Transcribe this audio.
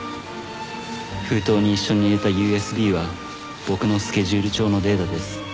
「封筒に一緒に入れたＵＳＢは僕のスケジュール帳のデータです」